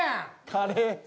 カレー。